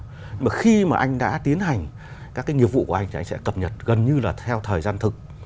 nhưng mà khi mà anh đã tiến hành các cái nghiệp vụ của anh thì anh sẽ cập nhật gần như là theo thời gian thực